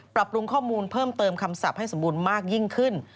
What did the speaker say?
ปรับปรุงข้อมูลเพิ่มเติมคำศัพท์ให้สมบูรณ์มากยิ่งขึ้น